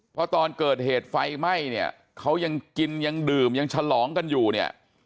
เพราะตอนเกิดเหตุไฟไหม้เนี่ยเขายังกินยังดื่มยังฉลองกันอยู่เนี่ย